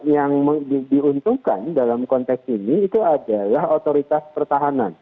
yang diuntungkan dalam konteks ini itu adalah otoritas pertahanan